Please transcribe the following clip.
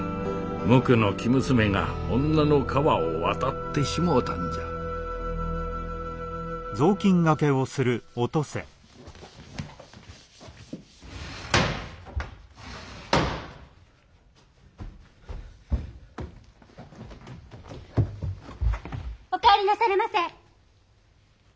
無垢の生娘が女の川を渡ってしもうたんじゃお帰りなされませ。